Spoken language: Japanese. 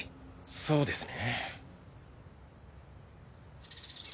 そうですね。